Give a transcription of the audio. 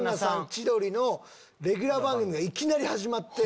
千鳥のレギュラー番組がいきなり始まって。